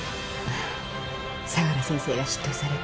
相良先生が執刀されて。